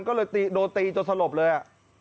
ก็โดนตีจบสลบเลย